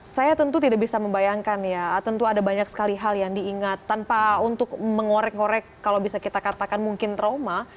saya tentu tidak bisa membayangkan ya tentu ada banyak sekali hal yang diingat tanpa untuk mengorek ngorek kalau bisa kita katakan mungkin trauma